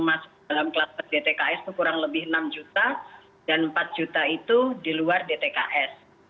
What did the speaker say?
masuk dalam kluster dtks itu kurang lebih enam juta dan empat juta itu di luar dtks